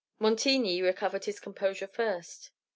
Montigny recovered his composure first.